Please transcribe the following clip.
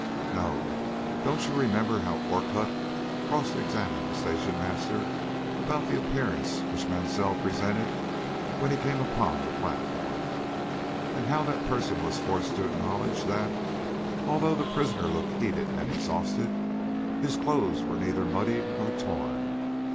"No. Don't you remember how Orcutt cross examined the station master about the appearance which Mansell presented when he came upon the platform, and how that person was forced to acknowledge that, although the prisoner looked heated and exhausted, his clothes were neither muddied nor torn?